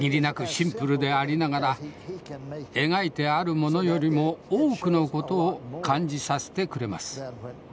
シンプルでありながら描いてあるものよりも多くの事を感じさせてくれます。